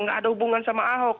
gak ada hubungan sama ahok